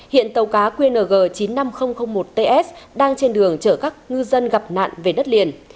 hiện tàu cá qng chín mươi năm nghìn một ts đang trên đường chở các ngư dân gặp nạn về đất liền